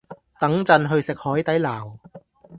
等陣去食海地撈